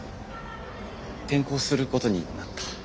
転校することになった。